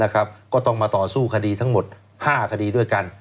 ก็ต้องมาต่อสู้คดีทั้งหมด๕คดีด้วยกัน